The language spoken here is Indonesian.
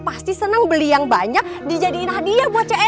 pasti senang beli yang banyak dijadiin hadiah buat c s i